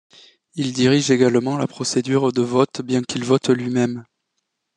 Il dirige également la procédure de vote, bien qu'il vote lui-même.